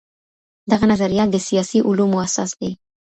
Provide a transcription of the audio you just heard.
دغه نظريات د سياسي علومو اساس دي.